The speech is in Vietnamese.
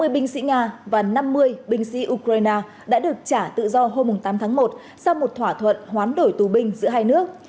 sáu mươi binh sĩ nga và năm mươi binh sĩ ukraine đã được trả tự do hôm tám tháng một sau một thỏa thuận hoán đổi tù binh giữa hai nước